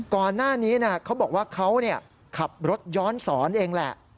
ก่อนหน้านี้เขาบอกว่าเขาขับรถย้อนสอนเองแหละ